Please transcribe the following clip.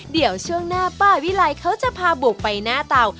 เดี๋ยวช่วงหน้าป้าวิไลเขาจะพาบุกไปหน้าเตา